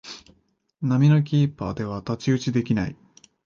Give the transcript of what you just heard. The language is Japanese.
並みのキーパーでは太刀打ちできない